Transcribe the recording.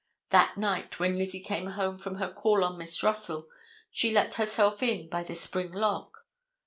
That night, when Lizzie came home from her call on Miss Russell, she let herself in by the spring lock.